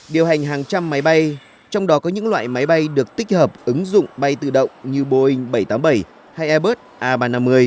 điều hành hàng trăm máy bay trong đó có những loại máy bay được tích hợp ứng dụng bay tự động như boeing bảy trăm tám mươi bảy hay airbus a ba trăm năm mươi